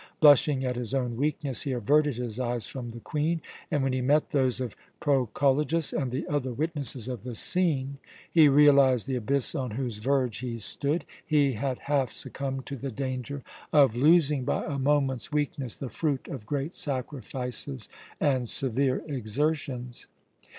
Blushing at his own weakness, he averted his eyes from the Queen, and when he met those of Proculejus and the other witnesses of the scene, he realized the abyss on whose verge he stood. He had half succumbed to the danger of losing, by a moment's weakness, the fruit of great sacrifices and severe exertions.